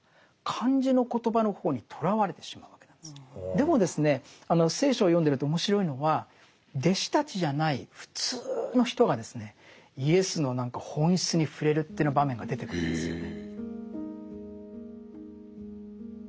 でもですね聖書を読んでると面白いのは弟子たちじゃない普通の人がですねイエスの何か本質に触れるっていうような場面が出てくるんですよね。